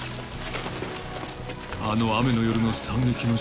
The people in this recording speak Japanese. ［あの雨の夜の惨劇の真相は？］